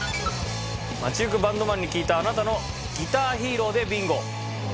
街ゆくバンドマンに聞いたあなたのギターヒーローでビンゴ。